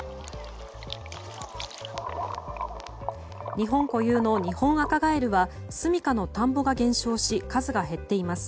日本固有のニホンアカガエルはすみかの田んぼが減少し数が減っています。